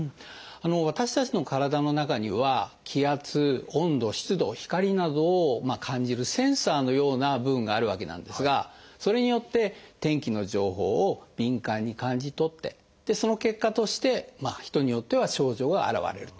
私たちの体の中には気圧温度湿度光などを感じるセンサーのような部分があるわけなんですがそれによって天気の情報を敏感に感じ取ってその結果として人によっては症状が現れると。